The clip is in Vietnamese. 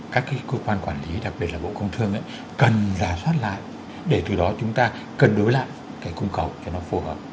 các cái cơ quan quản lý đặc biệt là bộ công thương cần giả soát lại để từ đó chúng ta cân đối lại cái cung cầu cho nó phù hợp